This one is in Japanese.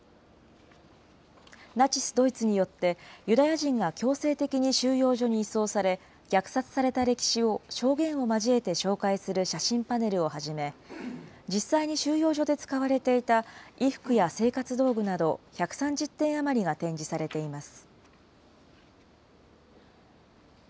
ナチス・ドイツによってユダヤ人が強制的に収容所に移送され、虐殺された歴史を証言を交えて紹介する写真パネルをはじめ、実際に収容所で使われていた衣服や生活道具など１３０点余りが展示されています。